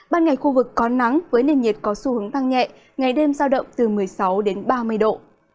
ban ngày khu vực có nắng với nền nhiệt có xu hướng tăng nhẹ ngày đêm giao động từ một mươi sáu đến ba mươi độ